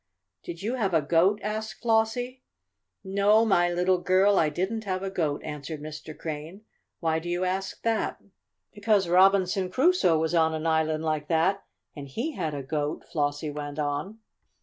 "Did you have a goat?" asked Flossie. "No, my little girl, I didn't have a goat," answered Mr. Crane. "Why do you ask that?" "Because Robinson Crusoe was on an island like that and he had a goat," Flossie went on.